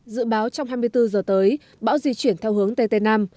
dự báo trong hai mươi bốn giờ tới bão di chuyển theo hướng tt nam